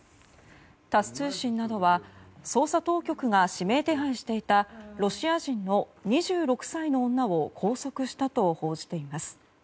タス通信などは捜査当局が指名手配していたロシア人の２６歳の女を拘束したと報じています。